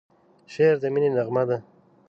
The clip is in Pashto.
شعر د مینې نغمه ده.